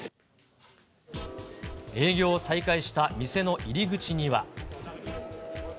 営業再開した店の入り口には。